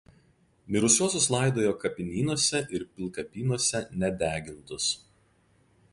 Mirusiuosius laidojo kapinynuose ir pilkapynuose nedegintus.